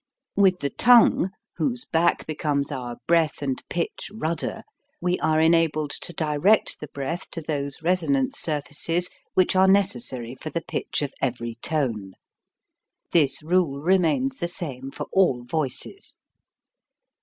With the tongue, whose back becomes our breath and pitch rudder, we are enabled to direct the breath to those reasonance surfaces which are necessary for the pitch of every tone. This rule remains the same for all voices.